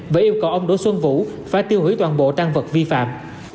và yêu cầu ông đỗ xuân vũ phải tiêu hủy toàn bộ tan vật vi phạm